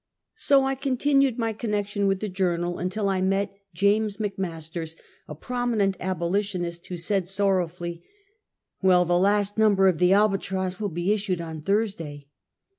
So I continued my connec 106 Half a Century. tion with the Journal until I met James McMasters, a prominent abolitionist, who said sorrowfully: "Well, the last number of the Albatross will be issued on Thursday."